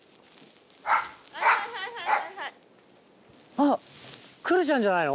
あっクルちゃんじゃないの？